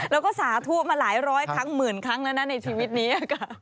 แล้วก็สาธุมาหลายร้อยครั้งหมื่นครั้งแล้วนะในชีวิตนี้